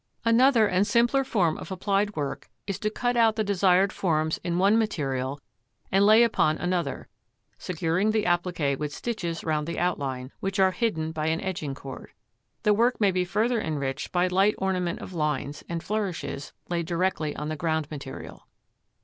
Another and simpler form of applied work is to cut out the desired forms in one material and lay upon another, securing the appliqué with stitches round the outline, which are hidden by an edging cord. The work may be further enriched by light ornament of lines and flourishes laid directly on the ground material.